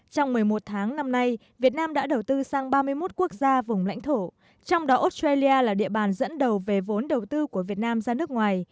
trong một mươi một tháng năm nay việt nam đã đầu tư sang ba mươi một quốc gia vùng lãnh thổ trong đó australia là địa bàn dẫn đầu về vốn đầu tư của việt nam ra nước ngoài